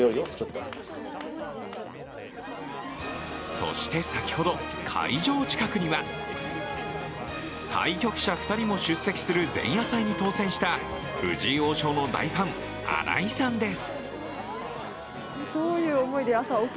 そして先ほど、会場近くには対局者２人も出席する前夜祭に当選した藤井王将の大ファン新井さんです。